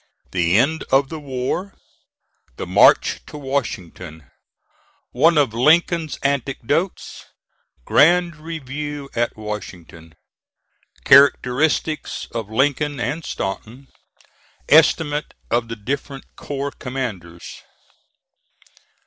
THE END OF THE WAR THE MARCH TO WASHINGTON ONE OF LINCOLN'S ANECDOTES GRAND REVIEW AT WASHINGTON CHARACTERISTICS OF LINCOLN AND STANTON ESTIMATE OF THE DIFFERENT CORPS COMMANDERS.